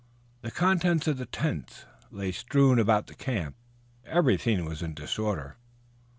The contents of the tents lay strewn about the camp; everything was in disorder.